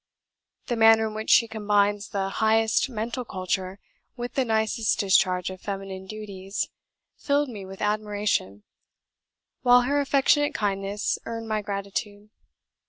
The manner in which she combines the highest mental culture with the nicest discharge of feminine duties filled me with admiration; while her affectionate kindness earned my gratitude."